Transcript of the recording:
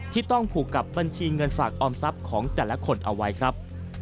ที่ต้องผูกกับบัญชีเงินฝากออมทรัพย์ของแต่ละคนเอาไว้ครับ